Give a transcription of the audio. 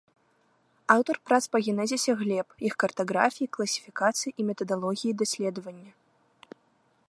Аўтар прац па генезісе глеб, іх картаграфіі, класіфікацыі і метадалогіі даследавання.